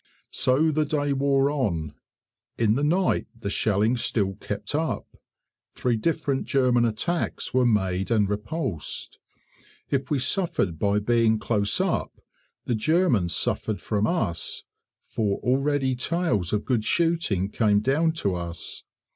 So the day wore on; in the night the shelling still kept up: three different German attacks were made and repulsed. If we suffered by being close up, the Germans suffered from us, for already tales of good shooting came down to us.